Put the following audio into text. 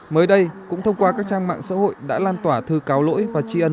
mới đây cũng thông qua các trang mạng xã hội đã lan tỏa thư cáo lỗi và tri ân